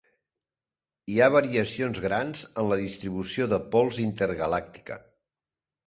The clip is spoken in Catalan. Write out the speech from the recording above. Hi ha variacions grans en la distribució de pols intergalàctica.